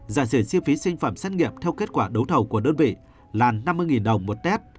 giả sử chi phí sinh phẩm xét nghiệm theo kết quả đấu thầu của đơn vị là năm mươi đồng một test